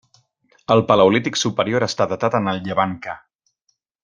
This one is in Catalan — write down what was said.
El paleolític superior està datat en el Llevant ca.